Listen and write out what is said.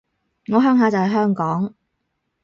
我鄉下就喺香港